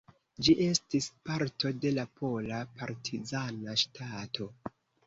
Ĝi estis parto de la Pola Partizana Ŝtato.